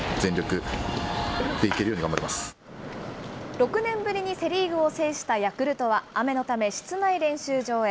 ６年ぶりにセ・リーグを制したヤクルトは、雨のため、室内練習場へ。